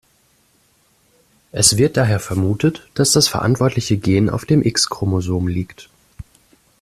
Es wird daher vermutet, dass das verantwortliche Gen auf dem X-Chromosom liegt.